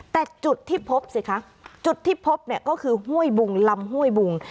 แต่จุดที่พบสิคะจุดที่พบเนี่ยก็คือห้วยบุงลำห้วยบุง